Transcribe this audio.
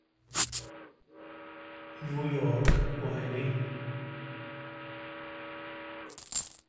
New York: Wiley.